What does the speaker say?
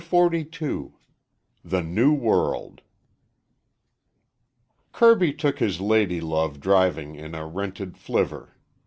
CHAPTER XLII THE NEW WORLD Kirby took his lady love driving in a rented flivver.